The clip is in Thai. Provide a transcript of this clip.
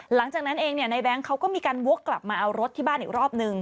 หลังจากนั้นเองในแบงค์เขาก็มีการวกกลับมาเอารถที่บ้านอีกรอบนึง